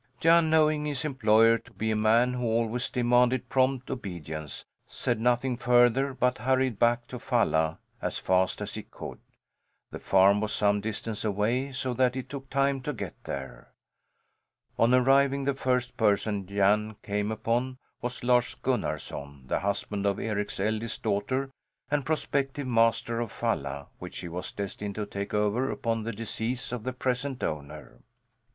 Jan, knowing his employer to be a man who always demanded prompt obedience, said nothing further but hurried back to Falla as fast as he could. The farm was some distance away, so that it took time to get there. On arriving, the first person Jan came upon was Lars Gunnarson, the husband of Eric's eldest daughter and prospective master of Falla, which he was destined to take over upon the decease of the present owner.